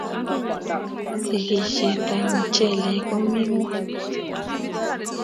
Sigishet ab mchelek komie ngwony